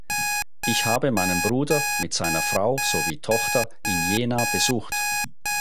Ich habe meinen Bruder mit seiner Frau sowie Tochter in Jena besucht.